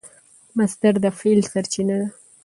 مصدر د فعل سرچینه ده.